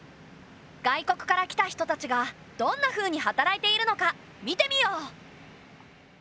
外国から来た人たちがどんなふうに働いているのか見てみよう。